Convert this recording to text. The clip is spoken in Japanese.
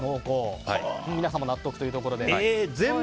皆さんも納得というところで。